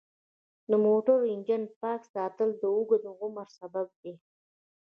د موټر انجن پاک ساتل د اوږد عمر سبب دی.